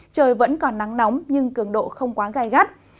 trời vẫn còn nắng nóng nhưng cường độ không quá gai gắt